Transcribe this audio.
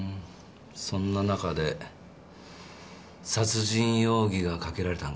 そんな中で殺人容疑がかけられたのか。